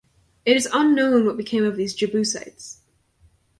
It is unknown what ultimately became of these "Jebusites".